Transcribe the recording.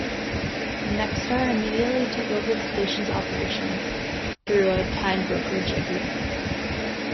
Nexstar immediately took over the stations' operations through a time brokerage agreement.